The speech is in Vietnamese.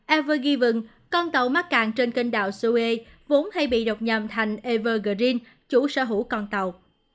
evergiven con tàu mắc càng trên kênh đảo suez vốn hay bị đọc nhầm thành evergreen chủ sở hữu con tàu